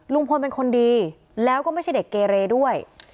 ลุงพลเป็นคนดีแล้วก็ไม่ใช่เด็กเกเรด้วย